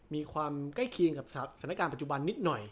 มีความใกล้เคียงกับสถานการณ์ปัจจุบันนิดหน่อย